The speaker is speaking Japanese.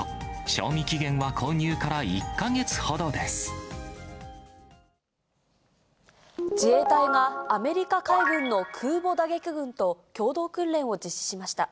賞味期限は購入から１か月ほどで自衛隊が、アメリカ海軍の空母打撃群と共同訓練を実施しました。